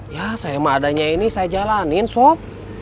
ya sama adanya ini saya jalanin sob